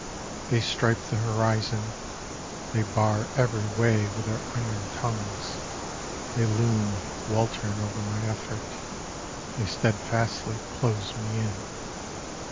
They stripe the horizon, They bar every way with their iron tongues; They loom weltering over my effort, They steadfastly close me in.